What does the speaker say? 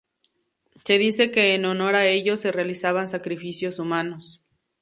Se dice que en honor a ellos se realizaban sacrificios humanos.